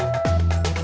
saya juga ngantuk